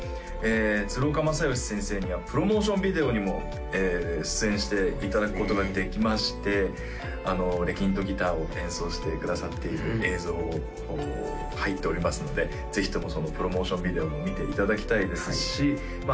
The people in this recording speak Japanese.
鶴岡雅義先生にはプロモーションビデオにも出演していただくことができましてレキントギターを演奏してくださっている映像入っておりますのでぜひともそのプロモーションビデオも見ていただきたいですしまあ